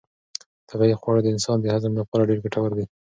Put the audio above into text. طبیعي خواړه د انسان د هضم لپاره ډېر ګټور دي.